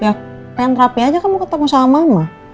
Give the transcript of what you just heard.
ya pengen rapi aja kamu ketemu sama mama